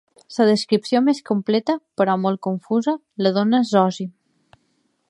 La descripció més completa, però molt confusa la dóna Zòsim.